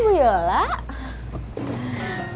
saya selamat datang